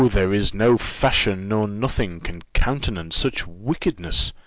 there is no fashion, nor nothing can countenance such wickedness!